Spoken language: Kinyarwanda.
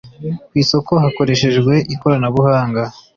ku isoko hakoreshejwe ikoranabuhanga